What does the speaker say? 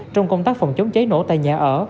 trong công tác phòng chống cháy nổ tại nhà ở